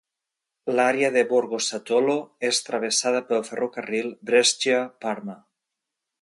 L'àrea de l'Borgosatollo és travessada pel ferrocarril Brescia-Parma.